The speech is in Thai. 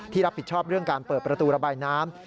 รับผิดชอบเรื่องการเปิดประตูระบายน้ำ